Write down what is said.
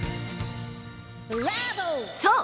そう！